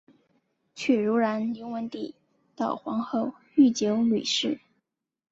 去柔然迎文帝悼皇后郁久闾氏。